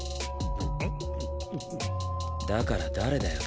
だから誰だよ？